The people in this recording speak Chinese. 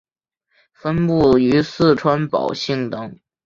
分布于四川宝兴等。